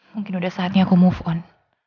mungkin udah saatnya aku move on